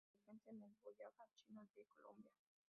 Juega de Defensa en el Boyacá Chicó de Colombia.